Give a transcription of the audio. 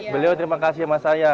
beliau terima kasih sama saya